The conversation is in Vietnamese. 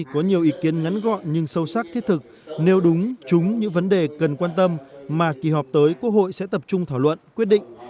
có nhiều ý kiến ngắn gọn nhưng sâu sắc thiết thực nêu đúng chúng những vấn đề cần quan tâm mà kỳ họp tới quốc hội sẽ tập trung thảo luận quyết định